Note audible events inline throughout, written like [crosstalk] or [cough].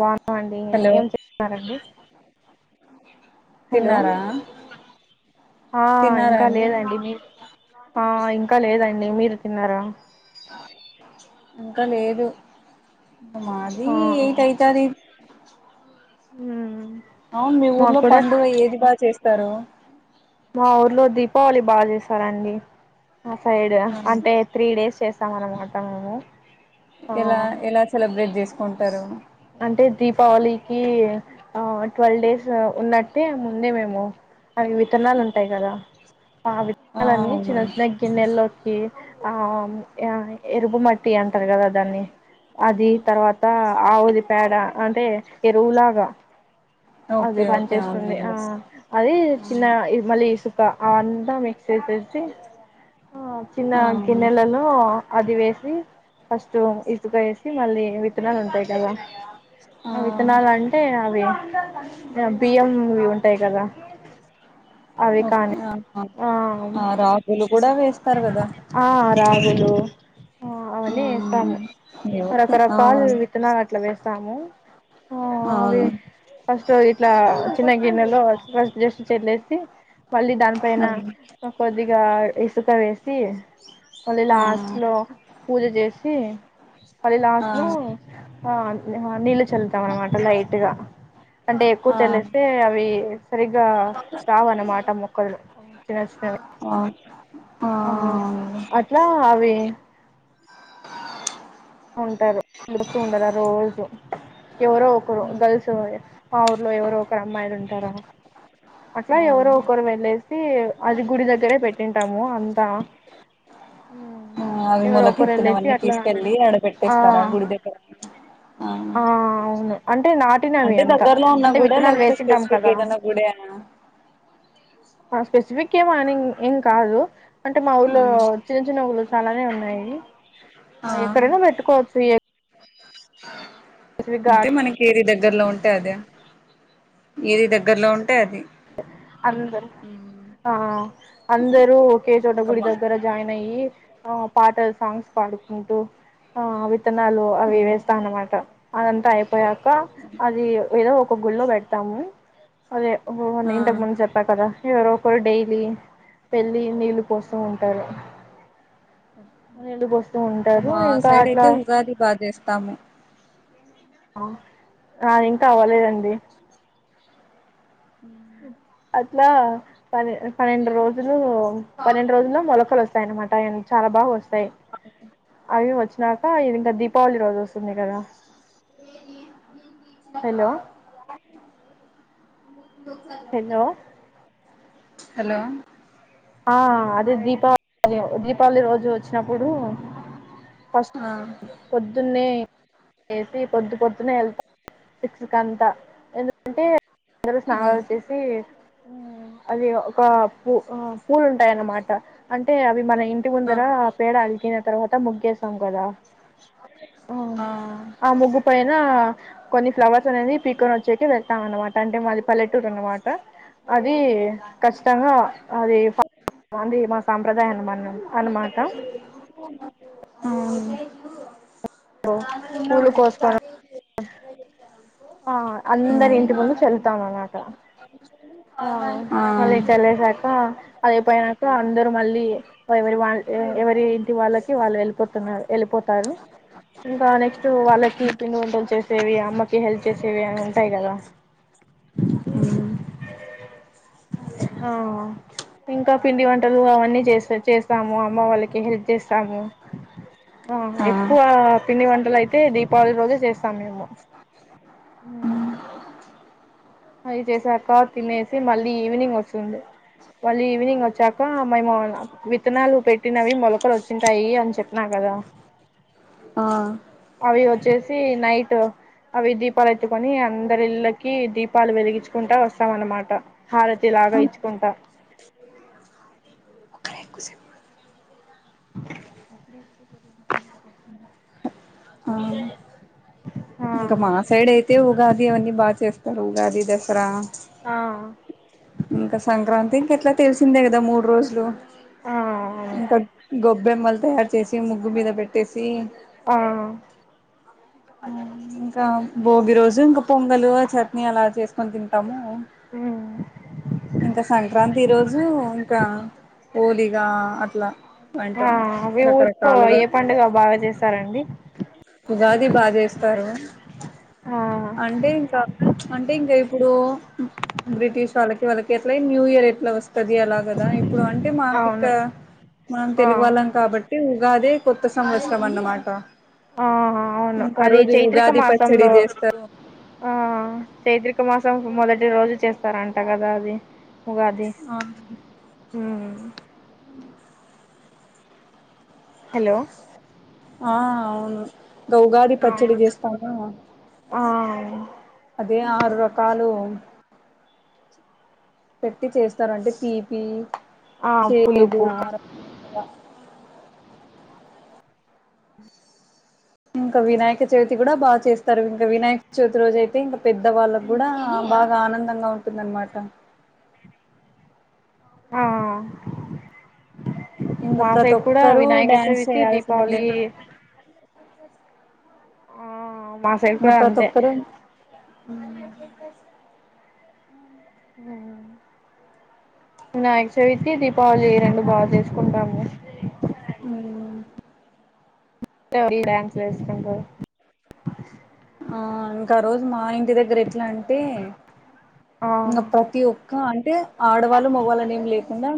బా అండి హలో ఏం చేస్తున్నారండి హలో తిన్నారా ఆ తిన్నారా ఇంకా అండి లేదండి మీ ఆ ఇంకా లేదండి మీరు తిన్నార ఇంకా లేదు మాది ఆ ఏయితేయితంది ఉ అవును మీ ఊర్లో పండుగ ఏది బాగా చేస్తారు మా ఊర్లో దీపావళి బాగా చేసారండి ఆ సైడ్ ఆ అంటే త్రీ డేస్ చేసామన్నమాట మేము ఎలా ఆ ఎలా సెలబ్రేట్ చేసుకో కొంటారు అంటే దీపావళికి ఆ ట్వెల్వ్ డేస్ ఉన్నట్ అంతే ముందే మేము అ విత్తనాలు ఉంటాయి కదా ఆ ఆ విత్తనాలన్నీ అవును చిన్న చిన్న గిన్నెల్లోకి ఆ ఎరుపు మట్టి అంటారు కదా దాన్ని అది తర్వాత ఆది పేడ అంటే ఎరువులాగా అదే ఓకే పని ఓకే చేస్తుంది ఆ అవునండి అది చిన్న మళీ ఇసుక అ అంతా మిక్స్ వసేసి ఆ చిన్న ఆ గిన్నెలలో అది వేసి ఫస్ట్ ఇసుక వేసి మళ్ళీ విత్తనాలు ఉంటాయి కదా ఆ విత్తనాలు అంటే అవి బియంవి ఉంటాయి కదా అవి ఓకే కానీ ఆ ఆ ఆ రాగులు కూడా వేస్తారు కదా ఆ రగుులు ఆ అవన్నీ వేస్తాము మ్మ్ ఓకే ఆ రకరకాలు అవును విత్తనా అట్లా వేస్తాము ఆ అవే అవును ఫస్ట్టు ఇట్లా చిన్నగినెలో ఫిజ్ జస్ట్ చెల్లేసి మళ్ళీ దానిపైన కొద్దిగా వేసి మళ్ళీ ఆ లాస్ట్ లో పూజ చేసి మళ్ళీ ఆ లాస్ట్లో ఆ నీళ్ళు చల్లుతాం అనమాట లైట్గా అంటే ఎక్కువ ఆ చెల్లేస్తే అవి సరిగ్గా రావు అన్నమాట మొక్కలు చిన్న చిన్నవి ఆ ఆ అట్లా అవి ఉంటారు తెలుపుస్తూ ఉండారా రోజు ఎవరో ఒకరు గర్ల్స్ మా హుర్లో ఎవరో ఒకరు అమ్మాయిలు ఉంటారా అట్లా ఆ ఎవరో ఒకరు వెళ్ళేసి అది గుడి దగ్గరే పెట్టింటాము అంతా ఆ అవి ఎవరో మలక ఒకరు వెళ్ళేసి ఎత్తినవన్న అట్లా తీసుకెళ్ళి ఆడపెట్ ఆ ట్టస్తర గుడిదగారా ఆ అవును అంట అంటే దగ్గరలో ఉన్న గూడా లేకపోతే వేసింటాం స్పెసిఫిక్ కదా ఏదైనా గుడేనా స్పెసిఫిక్ ఏం అని ఏం కాదు అంటే మా ఊళ్లో మ్ చిన్న చిన్న ఊళ్ళ చాలానే ఉన్నాయి ఎక్కడైనా పెట్టుకోవచ్చు హ స్పెసిఫిక్ గా అంటే మనకి ఏది దగ్గరలో ఉంటే అదే ఏది దగ్గర్లో ఉంటే అది అందరికి మ్ ఆ అందరూ ఓకే చోట ఇంకా గుడి మా దగ్గర జాయిన్ ఆ పాట సాంగ్స్ పాడుకుంటూ ఆ అవి విత్తనాలు అవి మ్ వేస్తా అన్నమాట అదంతాయి పోయాక అది ఏదో ఒక గుళ్ళో పెడతాము అదే ఓహో నే ఆ ఇంతకు ముందు చెప్పా కదా ఏవరో ఒకరు డైలీ పెళ్లి నీల్లు పోస్తూ ఉంటారు నీళ్ళు పోస్తూ ఉంటారు మా ఇంకా సైడ్ అట్లా అయితే ఉగాది బా జేస్తాము నాది ఇంకా అవ్వలేదండి అట్లా పనే పన్నెండు రోజు పన్నెండు రోజుల్లో మొలకలు వస్తాయన్నమాట చాల బాగ వస్తాయి అవి వచ్చినాక ఇది ఇంక దీపావళి రోజు వస్త తోంది కదా హలో హెలో హలో ఆ అది దీపావళిీ అదే దీప్ దీపాళి రోజు వచ్చినప్పుడు ఫస్ట్ ఆ పొద్దున్నే వేసి పొద్దు పొద్దునే వెళ్తా సిక్స్ అంతా ఎందుకంటే అందరూ స్నానాలు ఆ చేసి అది ఒక పూవ్ పూలు ఉంటాయిన్నమాట అంటే అవి మన ఇంటి ముందర ఆ పేడ అలికిన తర్వాత ముగ్గేస్తం గదా ఆ ఆ ముగ్గు పైన కొన్ని ఫ్లవర్స్ అనేది పీక్కోని వచ్చేకి వెళ్తాం అన్నమాట అంటే మాది పల్లెటూరు అన్న మాట అది ఖచ్చితంగా అది అంది మా సాంప్రదయాన్ని మన్న అనమాట ఊ దలో పూలు కోసుకొని [unintelligible] ఆ అందరి ఇంటి ముందు చల్లుతాం అన్నమాట. చ [unintelligible] ఆ మళ్లీ చలే సాకా. అయిపోయినాక అందరు మళ్ళీ ఎవరి వాళ్ళు ఎవరి ఇంటి వాళ్ళకి వాళ్ళు వెళ్ళిపోతున్నారు. వెళ్ళిపోతారు ఇంకా నెక్ట్స్ వాళ్ళకి పిండి వంటలు చేసేవి అమ్మకి హెల్ప్. ఇచ్చేసేవి అని ఉంటాయి కదా. [inaudible] ఆ ఇంకా పిండి వంటలు అవన్నీ చేసి చేస్తాము అమ్మ వాళ్ళకి హెల్ప్ చేస్తాను. ఆ ఎక్కువ పిండి వంటలు అయితే దీపావళి రోజు చేస్తాము మేము. అది చేసాక తినేసి మళ్ళీ ఈవినింగ్ వస్తుంది. మళ్ళీ ఈవినింగ్ వచ్చాక మేము విత్తనాలు పెట్టినవి మొలకలు వచ్చింటాయి అని చెప్పిన గదా? ఆ అవి వచ్చేసి నైట్ అవి దీపాలెత్తుకొని అందరి ఇళ్ళకి దీపాలు వెలిగించుకుంటా వస్తాం అన్నమాట. హారతిలాగ ఇచ్చుకుంటా. ఎక్కువసేపు ఆ! ఇంక మా ఆ సైడ్ అయితే ఉగాది అవన్నీ బాగా చేస్త. ఉగాది, దసరా. ఆ! ఇంక సంక్రాంతి ఇంక ఎట్లా తెలిసిందే కదా! మూడు రోజులు. ఆ ఆ ఇంక గొబ్బెమ్మళ్! తయార్ చేసి, ముగ్గు మీద పెట్టేసి. హ్మ్! ఊ ఇంకా! భోగి రోజు ఇంకా పొంగలు చట్నీ అలా చేసుకొని తింటాము. ఆఓ [unintelligible] ఇంకా సంక్రాంతి రోజు ఇంకా ఓలిగా అట్లా. ఆ అంటాం ఆ ఊరిలో రకరకాలుగా ఏ పండుగ బాగా చేస్తారండి. ఉగాది బా చేస్తారు. ఆ అంటే ఇంకా అంటే ఇంకా ఎప్ ఇప్పుడు బ్రిటిష్ వాళ్ళకి వాళ్ళకి ఎట్లా న్యూ ఇయర్ ఎ. ఇట్లా వస్తాది అలాగదా, ఇప్పుడు అంటే మాకు ఇక అవును మనం ఆ తెలుగు వాళ్ళం కాబట్టి. అ కాద [unintelligible] కొత్త సంవత్సరం అన్నమాట. ఆ అవును ఇంకా అది రోజు చైత్రిక ఉగాది పచ్చడి మాసంలో చేస్తారు ఆ చైత్రికమ్ మాసం మొదటి రోజు చేస్తారంట కదా అది. ఉగాది ఆ హ్మ్! హలో! ఆ అవును. ఉగాది పచ్చడి చేస్తామా? ఆ అదే ఆరు రకాలు పెట్టి చేస్తారు అంటే తీపి ఆ చేదు పులుపు కారం ఇంకా వినాయక చవితి కూడా బాగా చేస్తారు ఇంకా వినాయక చవితి రోజు అయితే ఇంకా పెద్ద వాళ్ళకి కూడా బాగా ఆనందంగా ఉంటుందనమాట ఆ ఇంకా మా ప్రతి సైడ్ కూడా ఒక్కరుూ వినాయక డ్యాన్స్ చవితి దీపావళి చేయాల్సిందే ఆ మా సైడ్ ఇంకా కూడా ప్రతి అంతే ఒకరు ఉమ్ వీనాయక చవితి దీపావళి్య రెండు బాగా చేసుకుంటాము లే అ డాన్సులు వేస్తారు ఆ ఇంకా రోజు మా ఇంటి దగ్గర ఎట్లా అంటే ఆ ఇంకా ప్రతి ఒక్క అంటే ఆడవాళ్ళు మగ్వాళనేమి లేకుండా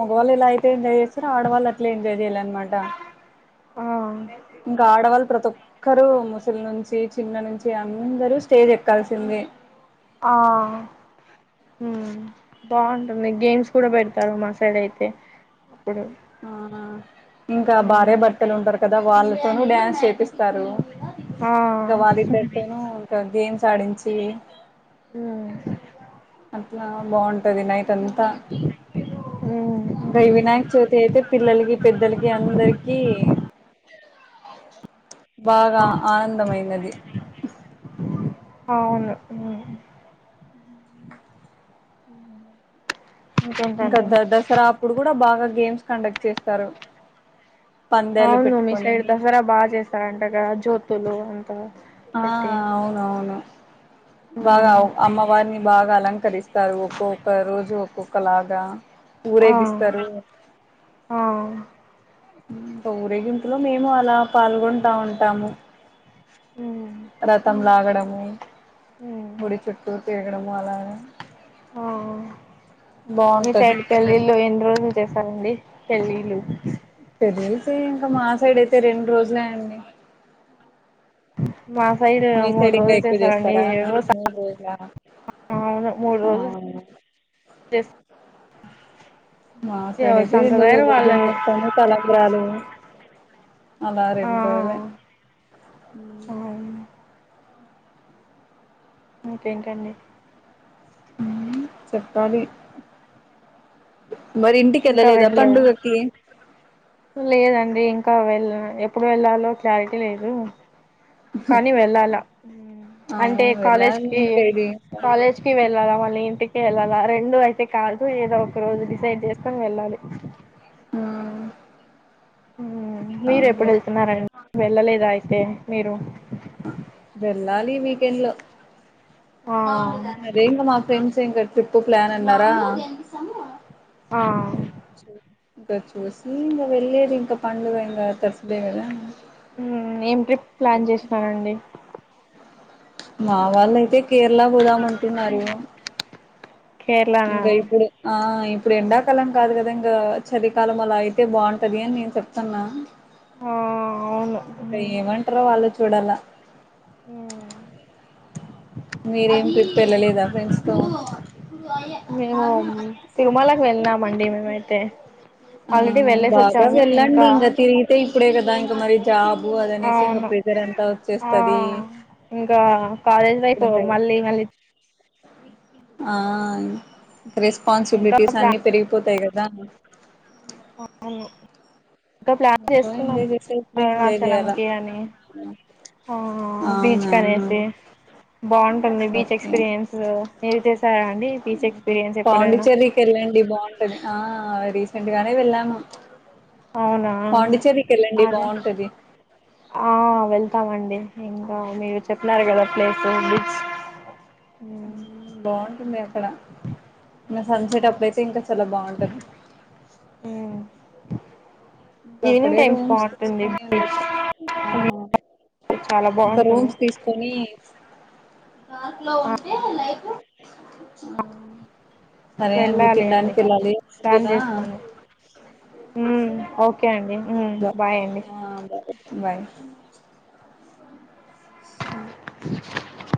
మగవల్ ఎలా అయితే ఎంజాయ్ చే స్తరూ ఆడవాళ్ళు అట్లా ఎంజాయ్ చేయాలన్నమాట ఆ ఇంకా ఆడవాళ్ళు ప్రతి ఒక్కరు ముసలి నుంచి చిన్న నుంచి అందరూ స్టేజ్ ఎక్కాల్సింది ఉమ్ బాగుంటుంది గేమ్స్ కూడా పెడతారు మా సైడ్ అయితే అప్పుడు ఆ ఇంకా భార్య హ్మ్ భర్తలు ఉంటారు కదా వాళ్ళు తోను డాన్స్ చిప్స్ స్తారు ఆ ఇంకా వాళ్ళిద్దరితోనూ ఇంకా గేమ్స్ ఆడించి ఆ అట్లా బాగుంటది నైట్ అంతా హ్మ్ ఇంకా ఈ వినాయక చవితి అయితే పిల్లలకి పెద్దలకి అందరికి బాగా ఆనందమైనది అవును ఉమ్ అ ఇంకా దసరా అప్పుడు కూడా బాగా గేమ్స్ కండక్ట్ చేస్తారు పందేలు అవును మీ పెట్టుకొని సైడ్ దసరా బాగా చేస్తారంటగా జ్యోతులు అంత ఆ పెట్టి అవునవును బాగా హ్మ్ అమ్మవారిని బాగా అలంకరిస్తారు ఒక్కొక్క రోజు ఒక్కొక్క ఒకలాగా ఆ ఊరేగిస్తారు ఆ ఇంకా ఉరేగింపులో మేము అలా పాల్గొంటా ఉంటాము ఉ రథం లాగడము హ్మ్ గుడి చుట్టు తేగడం వాళ ఆ మీ బాగుంటది సైడ్ పెళ్ళిళ్ళ ఎన్ని రోజులు చేసారంండి పెళ్ళిళ్ళు అతే ఇంకా మా సైడ్ అయితే రెండు రోజులే అండి మా సైడ్ మీ మూడు సైడ్ ఇంకా రోజులు ఎక్కువ చేస్తారండి చేస్తారా ఏవో మూడు రోజుల అవును మూడు అ రోజులు చేస్ మా సైడ్ ఎవరి అయితే దీందుోళ్ళు సంప్రదాయాలు రోజు వాళ్ళవి మూతాము తలంకరాలు అలా ఆ రడు పోలే కేంకండి చక్కళి మరి ఇంటికి ఇంకా వెళ్ళలేదా వెళ్ళలేదు పండుగకి ఇకా వెళ్ళ ఎప్పుడు వెళ్ళాలో క్లారిటీ లేదు కానీ వెళ్ళాలా అవును అంటే కాలేజ్ వెళ్ళాలి కి ఇంకా ఇది ఇంకా కాలేజ్కి వెళ్ళాలా మళ్ళీ ఇంటికి వెళ్ళాలా రెండు అయితే కాదు ఏదో ఒక రోజు డిసైడ్ చేస్త ఎలాల ఆ మీరు ఎప్పుడు అవునులే వెళ్తున్నారండి వెళ్ళలేదా అ మీరు వెళ్ళ ఆ దేంగ మా ఫెండ్స్ం ట్రిప్పు ప్లాన్ అన్నారా ఆ ఇంకా చూసి ఇంకా వెళ్లేేది ఇంకా పండుగ ఇంకా తరిచద కదా ఏం ట్రిప్ ప్లాన్ చేసిననండి మా వాళ్ళు అయితే కేరళ పోదామంటున్నారు కేరళనా కాపుడు ఆ ఇప్పుడు ఎండాకాలం కాదు కదా ఇంకా చలికాలం అలా అయితే బాగుంటది అని నేను చెప్తున్నా ఆ అవును ఇంకా ఏమంటార ఆలోచ చుడలా అ మీరేం వెళ్ళలేదా ఫ్రెండ్స్ తో మేము తిరుమలకి వెళ్ళినామండి మేమైతే ఆ ఆల్రెడీ వెళ్ళేసి బాగా వచ్చాము వెళ్ళండి ఇంకా తిరిగితే కప్పుడే కదాం మరి చ అవును ఆ ఇంకా కాలేజ్ లైఫ్ పో మళ్ళీ మళ్ళీ ఆ ఇంకా రెస్పాన్సిబిలిటీస్ అన్ని ప్లాన్ పెరిగిపోతాయి కదా బా అవును ఇంకా ప్లాన్ సో చేస్తున్నాం ఎంజాయ్ చేసే ఇప్పుడే ఎంజాయ్ అరుణాచలంకి అని చేయాలా బీచ్ అవునా కనేసి బాగుంటుంది, బీచ్ ఓకే ఎక్స్పీరియన్స్ మీరు చేసారా అండి బీచ్ ఎక్స్పీరియన్స్ ఎప్పుడైనా, పాండిచ్చేరికి రెండు వారలు వెళ్ళాము, అవునా పాండిచ్చేరికి వెళ్ళండి అదే బాగుంటది ఆ వెళ్తామండి, ఇంకా మీరు చెప్నారు కదా ప్లేసు బిచ్, ఉ బన్ ఇన్న ఇక్కడ ఇ సన్సెట్ అప్పుడు అయితే ఇంకా చాలా బాగుంటంది. ఇంకా ఈవినింగ్ అక్కడే టైమ్స్ రూమ్స్ బాగుంటుంది తీసుకొని బీచ్ ఉండొచ్చు ఆ చాలా ఇంకా బాగుంటుంది రూమ్స్ తీసుకొన్ని, పార్క్ లో ఆ ఉంటే లైఫ్, వెళ్ళాలి అండి టైమ్ ముందునా చేసుకొని, ఉ ఓకే ఓకే అండి, ఉ బ బాయ్ అండి, ఆ బాయ్ బాయ్ [unintelligible]